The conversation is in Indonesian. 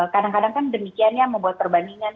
kadang kadang kan demikiannya membuat perbandingan